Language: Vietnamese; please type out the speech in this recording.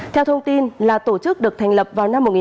theo thông tin là tổ chức được thành lập vào năm hai nghìn một mươi chín